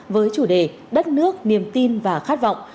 với chủ đề đất nước niềm tin và khát vọng